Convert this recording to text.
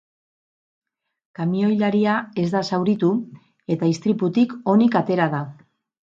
Kamioilaria ez da zauritu eta istriputik onik atera da.